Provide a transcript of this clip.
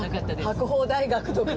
博報大学とか。